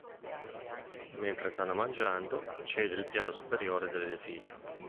Mentre stanno mangiando, cede il piano superiore dell'edificio.